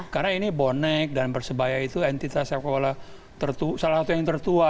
karena ini bonek dan persebaya itu entitas sekolah salah satu yang tertua